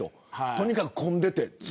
とにかく混んでいて。